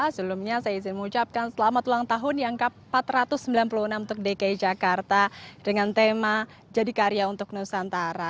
sebelumnya saya izin mengucapkan selamat ulang tahun yang ke empat ratus sembilan puluh enam untuk dki jakarta dengan tema jadi karya untuk nusantara